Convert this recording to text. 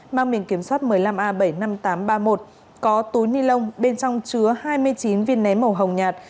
mang biển kiểm soát một mươi năm a bảy mươi năm nghìn tám trăm ba mươi một có túi ni lông bên trong chứa hai mươi chín viên nén màu hồng nhạt